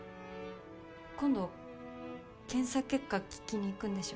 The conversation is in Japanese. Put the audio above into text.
今度検査結果聞きに行くんでしょ？